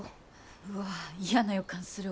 うわ嫌な予感するわ。